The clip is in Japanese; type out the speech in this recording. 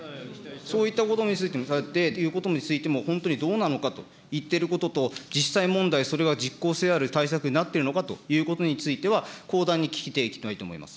そういったことについても、本当にどうなのかと、いってることと実際問題、それが実効性ある対策になっているのかということについては、後段に聞いていきたいと思います。